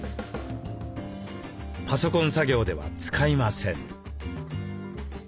パソコン作業では使いません。